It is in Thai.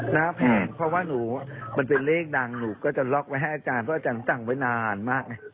หน้าแผงเพราะว่านี่เป็นเลขดังหนูก็จะล็อคได้ให้อาจารย์เพราะว่าอาจารย์สั่งไปนานมาก